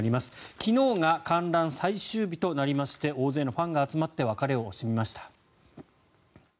昨日が観覧最終日となりまして大勢のファンが集まって別れを惜しみました。